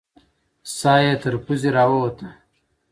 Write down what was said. ساه یې تر پزې راووته.